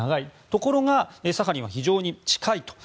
ところがサハリンは非常に近いと。